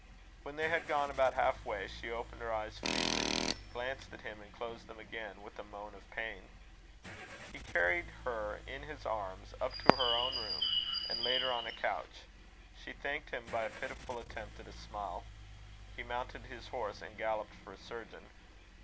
When they had gone about half way, she opened her eyes feebly, glanced at him, and closed them again with a moan of pain. He carried her in his arms up to her own room, and laid her on a couch. She thanked him by a pitiful attempt at a smile. He mounted his horse, and galloped for a surgeon.